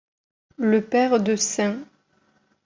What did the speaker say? Le père de St.